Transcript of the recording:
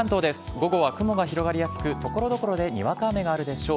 午後は雲が広がりやすく、ところどころでにわか雨があるでしょう。